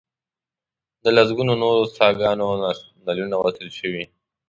د لسګونو نورو څاګانو نلونه وصل شوي.